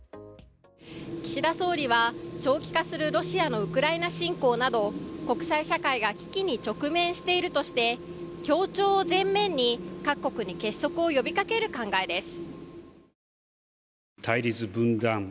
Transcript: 岸田総理は長期化するロシアのウクライナ侵攻など国際社会が危機に直面しているとして協調を前面に、各国に結束を呼びかける考えです。